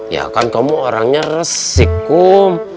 ya kan kamu orangnya resik kum